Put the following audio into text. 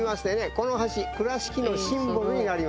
この橋倉敷のシンボルになります。